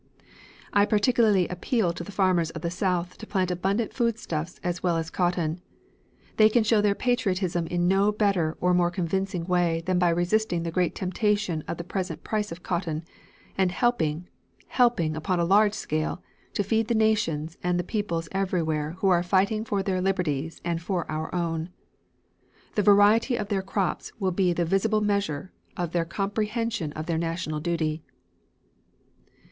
I particularly appeal to the farmers of the South to plant abundant foodstuffs as well as cotton. They can show their patriotism in no better or more convincing way than by resisting the great temptation of the present price of cotton and helping, helping upon a large scale, to feed the nation and the peoples everywhere who are fighting for their liberties and for our own. The variety of their crops will be the visible measure of their comprehension of their national duty.